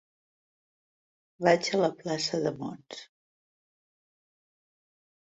Vaig a la plaça de Mons.